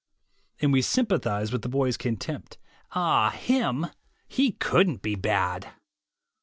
And we sympathize with the boy's contempt : "Ah, him! He couldn't be bad!"